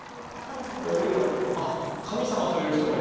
あっ神様と言う人もいます。